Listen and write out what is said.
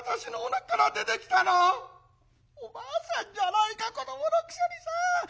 おばあさんじゃないか子どものくせにさ。